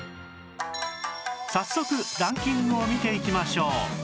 早速ランキングを見ていきましょう